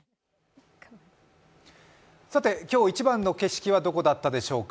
今日一番の景色はどこだったでしょうか。